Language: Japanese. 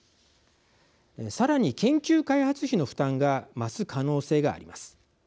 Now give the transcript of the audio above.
さらに研究開発費の負担が増す可能性があります。